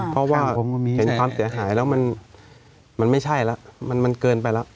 เพราะว่าผมเห็นความเสียหายแล้วมันไม่ใช่แล้วมันเกินไปแล้ว